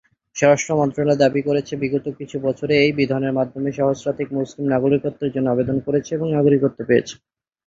স্বরাষ্ট্রমন্ত্রণালয় দাবী করেছে বিগত কিছু বছরে এই বিধানের মাধ্যমে সহস্রাধিক মুসলিম নাগরিকত্বের জন্য আবেদন করেছে এবং নাগরিকত্ব পেয়েছে।